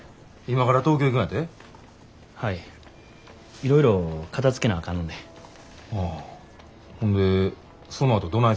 いろいろ片づけなあかんので。